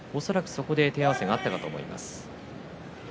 恐らく、そこで手合わせがあったと思います。